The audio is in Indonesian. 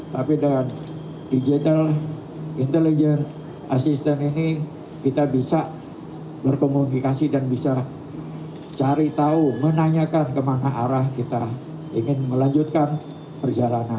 tapi dengan digital intelligence assistant ini kita bisa berkomunikasi dan bisa cari tahu menanyakan kemana arah kita ingin melanjutkan perjalanan